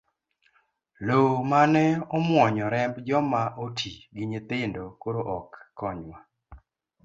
Loo mane omuonyo remb joma oti gi nyithindo, koro ok konywa.